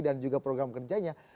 dan juga program kerjanya